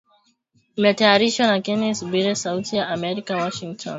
Imetayarishwa na Kennes Bwire, Sauti ya America, Washington